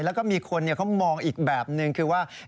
แล้วก็มีคนเขามองอีกแบบนึงคือว่า